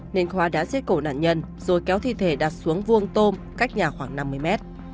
nên khoa đã xiết cổ nạn nhân rồi kéo thi thể đạt xuống vuông tôm cách nhà khoảng năm mươi mét